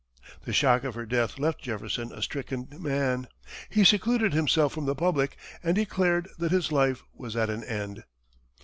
The shock of her death left Jefferson a stricken man; he secluded himself from the public, and declared that his life was at an end.